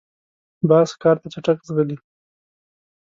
باز ښکار ته چټک ځغلي